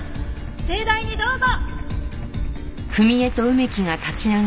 盛大にどうぞ！